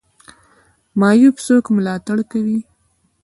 معیوب څوک ملاتړ کوي؟